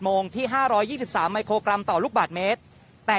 โมงที่ห้าร้อยยี่สิบสามไมโครกรัมต่อลูกบาทเมตรแต่